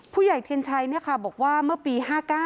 เทียนชัยบอกว่าเมื่อปี๕๙